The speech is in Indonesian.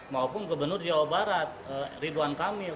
maupun gubernur jawa barat ridwan kamil